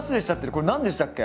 これ何でしたっけ？